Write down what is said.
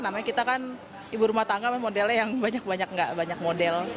namanya kita kan ibu rumah tangga memang modelnya yang banyak banyak nggak banyak model